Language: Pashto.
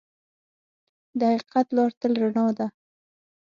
د حقیقت لار تل رڼا ده.